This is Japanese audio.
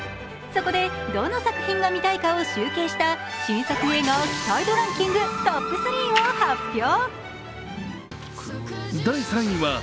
そこで、どの作品が見たいかを集計した新作映画期待度ランキングトップ３を発表。